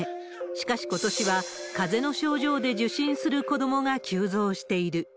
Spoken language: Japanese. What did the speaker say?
しかし、ことしはかぜの症状で受診する子どもが急増している。